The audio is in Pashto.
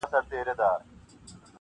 هغه ځان بدل کړی دی ډېر,